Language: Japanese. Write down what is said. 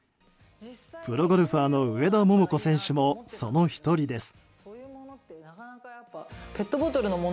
プロゴルファーの上田桃子選手もその１人です。